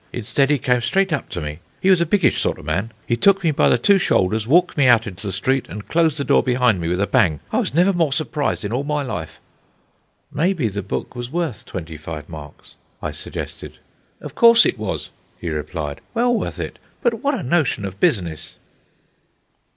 Instead, he came straight up to me. He was a biggish sort of man. He took me by the two shoulders, walked me out into the street, and closed the door behind me with a bang. I was never more surprised in all my life. "Maybe the book was worth twenty five marks," I suggested. "Of course it was," he replied; "well worth it. But what a notion of business!"